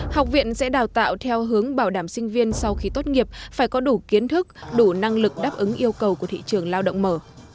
học viện sẽ đào tạo theo hướng bảo đảm sinh viên sau khi tốt nghiệp phải có đủ kiến thức đủ năng lực đáp ứng yêu cầu của thị trường lao động mở